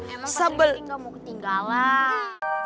emang pak serikiti gak mau ketinggalan